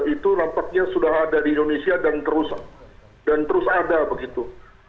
itu nampaknya sudah ada di indonesia dan terus ada begitu